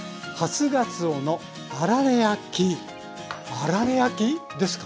あられ焼き？ですか？